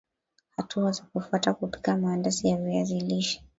Hatua za kufuata kupika maandazi ya viazi lishe